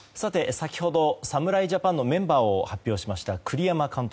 先ほど、侍ジャパンのメンバーを発表しました栗山監督。